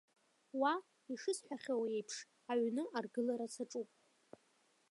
Уа, ишысҳәахьоу еиԥш, аҩны аргылара саҿуп.